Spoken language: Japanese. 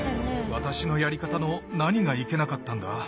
私のやり方の何がいけなかったんだ？